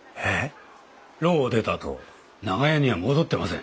牢を出たあと長屋には戻ってません。